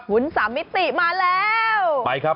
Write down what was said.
วุ้นสามมิติมาแล้ว